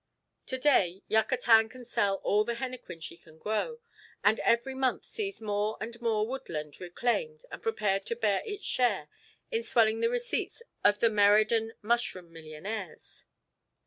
To day Yucatan can sell all the henequen she can grow, and every month sees more and more woodland reclaimed and prepared to bear its share in swelling the receipts of the Meridan mushroom millionaires.